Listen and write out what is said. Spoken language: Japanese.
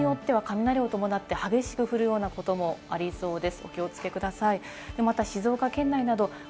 場所によっては雷を伴って激しく降るようなこともありそうです。